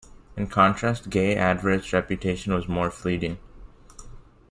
In contrast, Gaye Advert's reputation was more fleeting.